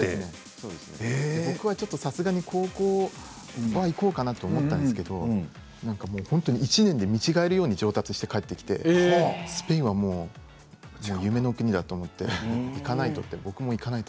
さすがに高校は行こうかなと思ったんですが兄が１年で見違えるように上達して帰ってきてスペインはもう夢の国だなと行かないとと思って。